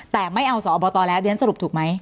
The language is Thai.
แต่ไม่เอาสอบตแล้วเรียนสรุปถูกไหม